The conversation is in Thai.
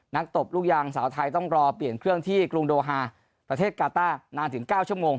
ตบลูกยางสาวไทยต้องรอเปลี่ยนเครื่องที่กรุงโดฮาประเทศกาต้านานถึง๙ชั่วโมง